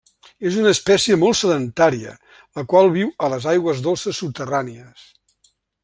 És una espècie molt sedentària, la qual viu a les aigües dolces subterrànies.